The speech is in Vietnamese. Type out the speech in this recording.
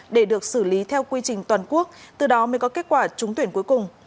để được xử lý theo quy trình toàn quốc từ đó mới có kết quả trúng tuyển cuối cùng